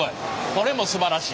これもすばらしい。